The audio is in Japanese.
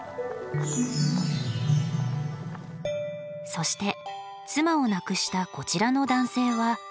そして妻を亡くしたこちらの男性は。